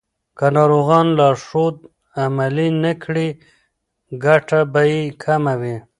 که ناروغان لارښود عملي نه کړي، ګټه به یې کمه وي.